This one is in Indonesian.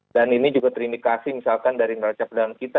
dan ini juga terindikasi misalkan dari neraja perdagang kita